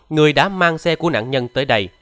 người đã mang xe của nạn nhân tới đây